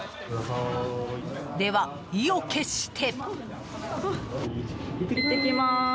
では、意を決して。